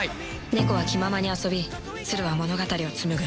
ネコは気ままに遊びツルは物語を紡ぐ。